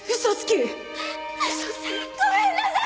ごめんなさい！